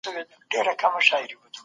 خپل مالونه حلال کړئ.